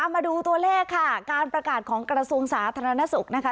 มาดูตัวเลขค่ะการประกาศของกระทรวงสาธารณสุขนะคะ